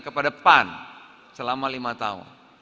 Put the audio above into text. kepada pan selama lima tahun